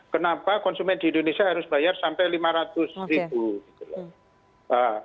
kenapa konsumen di indonesia harus bayar sampai rp lima ratus